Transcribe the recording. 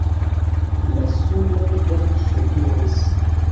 La suno jam subiris.